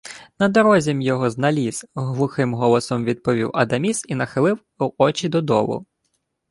— На дорозі-м його зналіз, — глухим голосом відповів Адаміс і нахилив очі додолу.